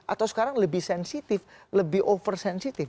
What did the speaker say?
atau sekarang lebih sensitif lebih over sensitif